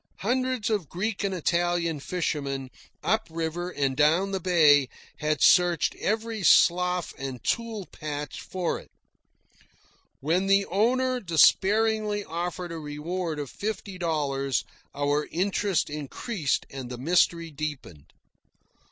Hundreds of Greek and Italian fishermen, up river and down bay, had searched every slough and tule patch for it. When the owner despairingly offered a reward of fifty dollars, our interest increased and the mystery deepened.